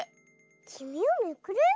「きみをめくれ」？